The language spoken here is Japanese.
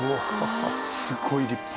すごい立派。